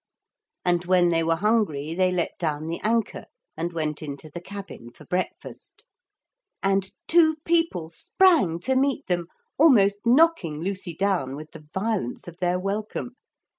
And when they were hungry they let down the anchor and went into the cabin for breakfast. And two people sprang to meet them, almost knocking Lucy down with the violence of their welcome.